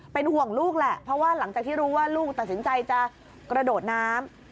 เป็นห่วงลูกแหละเพราะว่าหลังจากที่รู้ว่าลูกตัดสินใจจะกระโดดน้ำ